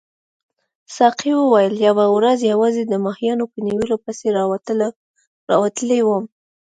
ساقي وویل یوه ورځ یوازې د ماهیانو په نیولو پسې راوتلی وم.